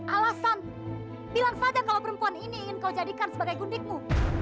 alasan bilang saja kalau perempuan ini ingin kau jadikan sebagai gundikmu